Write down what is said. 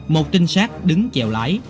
một trinh sát đứng chèo lái